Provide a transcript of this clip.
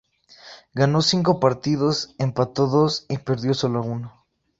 Ganó cinco partidos, empató dos y perdió solo uno.